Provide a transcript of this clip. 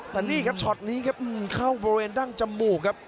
แต่นี่ครับช็อตนี้ครับเข้าบริเวณดั้งจมูกครับ